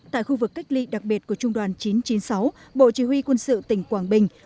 tại khu vực cách ly đặc biệt của trung đoàn chín trăm chín mươi sáu bộ chỉ huy quân sự tỉnh quảng bình